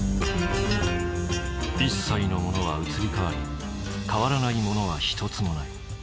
一切のものは移り変わり変わらないものは一つもない。